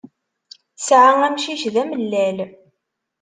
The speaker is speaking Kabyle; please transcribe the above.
Tesɛa amcic d amellal.